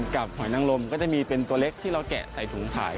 หอยนังลมก็จะมีเป็นตัวเล็กที่เราแกะใส่ถุงขาย